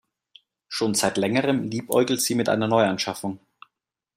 Schon seit längerem liebäugelt sie mit einer Neuanschaffung.